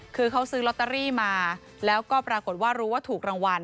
คือเขาซื้อลอตเตอรี่มาแล้วก็ปรากฏว่ารู้ว่าถูกรางวัล